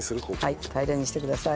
はい平らにしてください。